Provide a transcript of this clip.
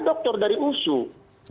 dokter dari usuk